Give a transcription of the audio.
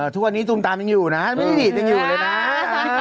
ทุกวันนี้ตูมตามยังอยู่นะไม่ได้ดีดยังอยู่เลยนะ